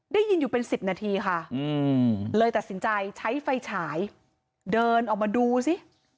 ได้ยินอยู่เป็น๑๐นาทีค่ะเลยตัดสินใจใช้ไฟฉายเดินออกมาดูสิ